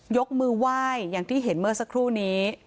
ยกมือไหว้อย่างที่เห็นเมื่อสักครู่นี้